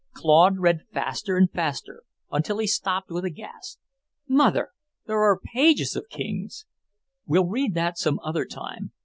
Claude read faster and faster until he stopped with a gasp. "Mother, there are pages of kings! We'll read that some other time.